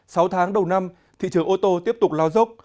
sau tháng đầu năm thị trường ô tô tiếp tục lao dốc